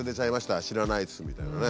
知らないですみたいなね。